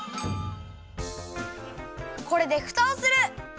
これでふたをする！